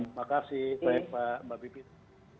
terima kasih baik mbak bipit